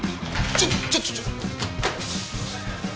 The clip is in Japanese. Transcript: ちょっとちょっと！